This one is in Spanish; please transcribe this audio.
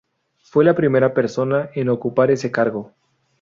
Fue la primera persona en ocupar ese cargo.